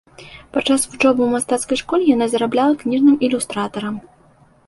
Падчас вучобы ў мастацкай школе яна зарабляла кніжным ілюстратарам.